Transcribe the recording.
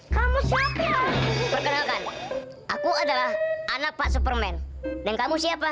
kamu perkenalkan aku adalah anak pak superman dan kamu siapa